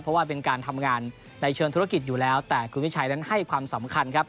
เพราะว่าเป็นการทำงานในเชิงธุรกิจอยู่แล้วแต่คุณวิชัยนั้นให้ความสำคัญครับ